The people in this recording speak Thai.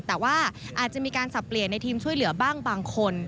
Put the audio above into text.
แต่ว่าอาจจะมีการสับเปลี่ยนในทีมช่วยเหลือบ้างบางคน